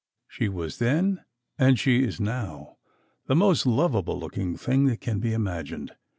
She was then and she is now the most lovable looking thing that can be imagined.